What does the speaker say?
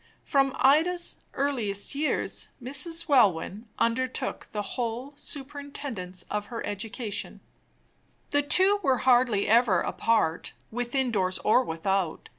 From Ida's earliest years, Mrs. Welwyn undertook the whole superintendence of her education. The two were hardly ever apart, within doors or without.